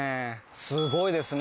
すごいですね。